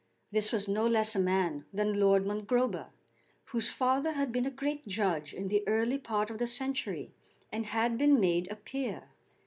This was no less a man than Lord Mongrober, whose father had been a great judge in the early part of the century, and had been made a peer.